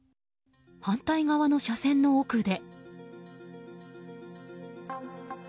反対側の車線の奥で。